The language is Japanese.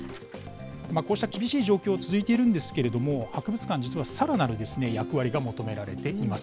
こうした厳しい状況続いているんですけれども、博物館、実はさらなる役割が求められています。